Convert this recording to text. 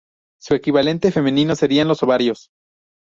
Su equivalente femenino serían los ovarios.